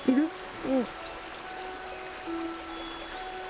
うん。